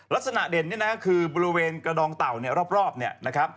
ลักษณะเด่นนะคะคือบริเวณกระดองเต่ารอบนะครับ